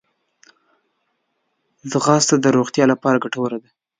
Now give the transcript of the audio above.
ځغاسته د روغتیا لپاره ګټوره ده